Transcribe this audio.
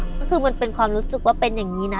ก็คือมันเป็นความรู้สึกว่าเป็นอย่างนี้นะ